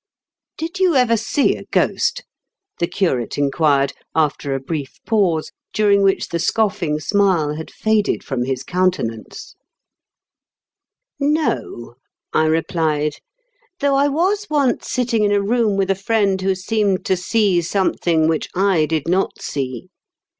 "Did you ever see a ghost?" the curate inquired, after a brief pause, during which the scoffing smile had faded from his countenance. A MYSTERIOUS INCIDENT. 169 " No/' I replied; " though I was once sitting in a room with a friend who seemed to see something which I did not see.